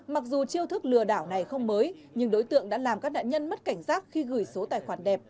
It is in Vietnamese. mặc dù chiêu thức lừa đảo này không mới nhưng đối tượng đã làm các nạn nhân mất cảnh giác khi gửi số tài khoản đẹp